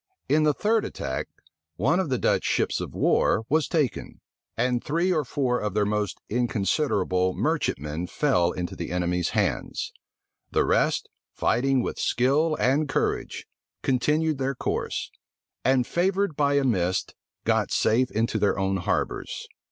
In the third attack, one of the Dutch ships of war was taken; and three or four of their most inconsiderable merchantmen fell into the enemies' hands. The rest, fighting with skill and courage, continued their course; and, favored by a mist, got safe into their own harbors.